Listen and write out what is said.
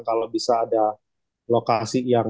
kalau bisa ada lokasi yang